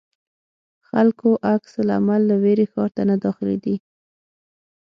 خلکو عکس العمل له وېرې ښار ته نه داخلېدی.